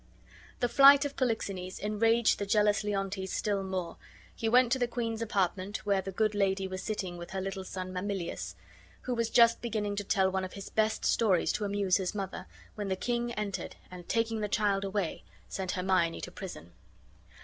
The flight of Polixenes enraged the jealous Leontes still more; he went to the queen's apartment, where the good lady was sitting with her little son Mamillius, who was just beginning to tell one of his best stories to amuse his mother, when the king entered and, taking the child away, sent Hermione to prison.